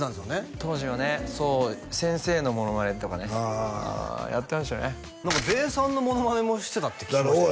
当時はねそう先生のモノマネとかねあやってましたねべーさんのモノマネもしてたっておい！